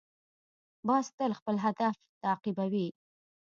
باز تل خپل هدف تعقیبوي